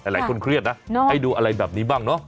หลายคนเครียดนะให้ดูอะไรแบบนี้บ้างเนาะ